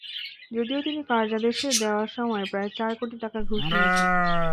যদিও তিনি কার্যাদেশ দেওয়ার সময় প্রায় চার কোটি টাকা ঘুষ নিয়েছেন।